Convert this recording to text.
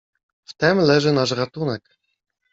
"W tem leży nasz ratunek."